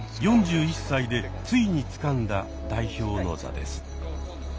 ４１歳でついにつかんだ代表の座です。